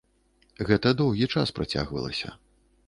Гэта доўгі час працягвалася.